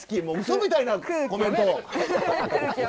もううそみたいなコメント。